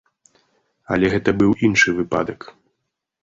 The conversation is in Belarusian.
Але гэта быў іншы выпадак.